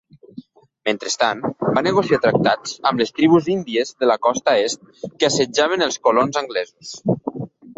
Mentrestant, va negociar tractats amb les tribus índies de la costa est que assetjaven els colons anglesos.